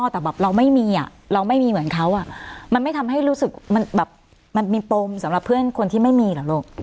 แต่แบบเราไม่มีอ่ะเราไม่มีเหมือนเขาอ่ะมันไม่ทำให้รู้สึกมันแบบมันมีปมสำหรับเพื่อนคนที่ไม่มีเหรอลูก